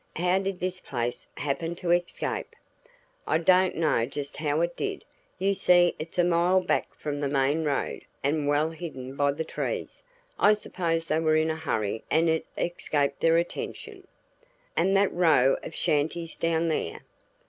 How did this place happen to escape?" "I don't know just how it did. You see it's a mile back from the main road and well hidden by trees I suppose they were in a hurry and it escaped their attention." "And that row of shanties down there?"